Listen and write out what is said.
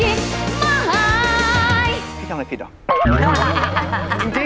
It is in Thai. พี่ทำอะไรผิดเหรอ